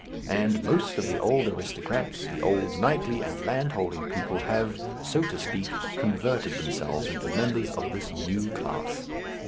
And most of the old aristocrats, the old knightly and landholding people, have, so to speak, converted themselves into members of this new class.